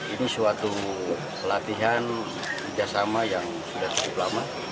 ini suatu pelatihan kerjasama yang sudah cukup lama